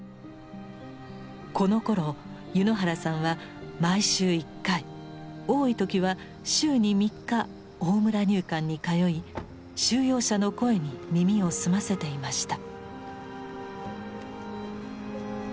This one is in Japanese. このころ柚之原さんは毎週１回多い時は週に３日大村入管に通い収容者の声に耳を澄ませていました。